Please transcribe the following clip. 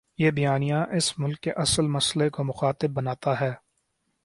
یہ بیانیہ اس ملک کے اصل مسئلے کو مخاطب بناتا ہے۔